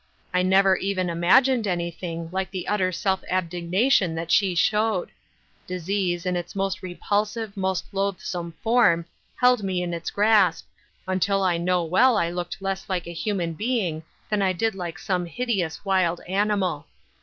I never even imagined anything like the utter self abnegation that she showed. Dis ease, in its most repulsive, most loathsome form, held me in its grasp, until I know well I looked less like a human being than I did like some hideous wild animal.